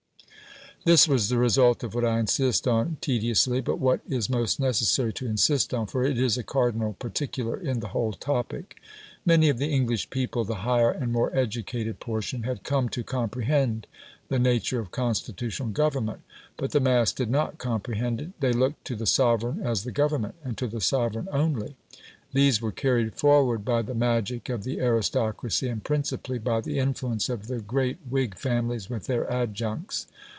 This was the result of what I insist on tediously, but what is most necessary to insist on, for it is a cardinal particular in the whole topic. Many of the English people the higher and more educated portion had come to comprehend the nature of constitutional government, but the mass did not comprehend it. They looked to the sovereign as the Government, and to the sovereign only. These were carried forward by the magic of the aristocracy and principally by the influence of the great Whig families with their adjuncts.